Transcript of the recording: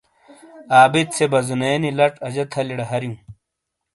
عابد سے بازونے نی لچ اجہ تھلیئ ڈے ہاریوں۔